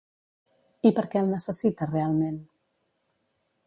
I per què el necessita realment?